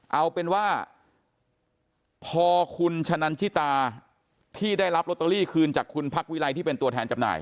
เอาเป็นว่าพอคุณชะนันชิตาที่ได้รับลอตเตอรี่คืนจากคุณพักวิไลที่เป็นตัวแทนจำหน่าย